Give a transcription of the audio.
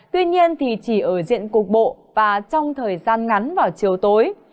tuy nhiên thì chỉ ở diện cục bộ và trong thời gian ngắn vào chiều tối